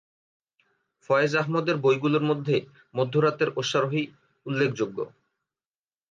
ফয়েজ আহমদের বইগুলোর মধ্যে 'মধ্যরাতের অশ্বারোহী' উল্লেখযোগ্য।